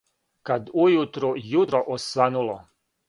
Кад ујутру јутро освануло,